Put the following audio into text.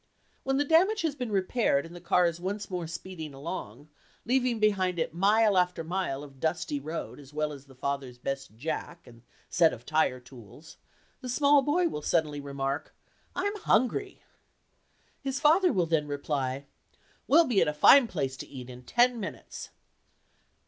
When the damage has been repaired and the car is once more speeding along, leaving behind it mile after mile of dusty road as well as father's best "jack" and set of tire tools, the small boy will suddenly remark, "I'm hungry." His father will then reply, "We'll be at a fine place to eat in ten minutes."